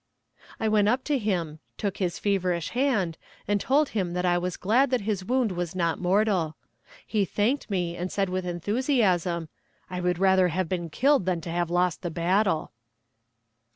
I went up to him, took his feverish hand, and told him that I was glad that his wound was not mortal. He thanked me, and said with enthusiasm, "I would rather have been killed than to have lost the battle."